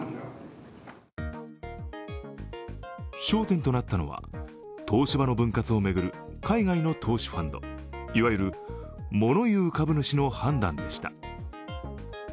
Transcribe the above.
焦点となったのは、東芝の分割を巡る海外の投資ファンド、いわゆるモノ言う株主の判断でした。